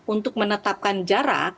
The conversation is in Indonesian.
untuk menetapkan jarak